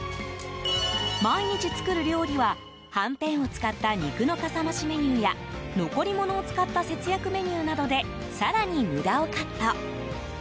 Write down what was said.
毎日作る料理ははんぺんを使った肉のかさ増しメニューや残り物を使った節約メニューなどで更に無駄をカット。